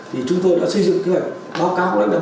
thì chúng tôi đã xây dựng kế hoạch